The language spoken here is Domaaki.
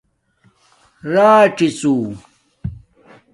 راڅی ژݸ